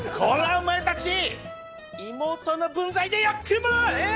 お前たち妹の分際でよくも！ええ？